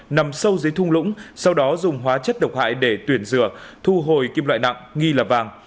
nằm sâu dưới thung lũng sau đó dùng hóa chất độc hại để tuyển rửa thu hồi kim loại nặng nghi là vàng